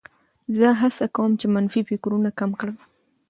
زه هڅه کوم چې منفي فکرونه کم کړم.